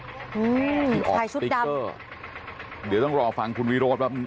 แท้ชุดดำสายสติกเกอร์เดี๋ยวต้องรอฟังคุณวิโรธแบบ